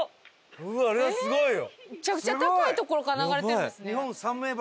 うわっあれはすごいよ！